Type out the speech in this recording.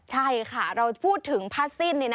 ใช่ค่ะเราพูดถึงผ้าสิ้น